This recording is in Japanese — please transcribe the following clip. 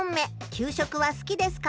「給食は好きですか？」。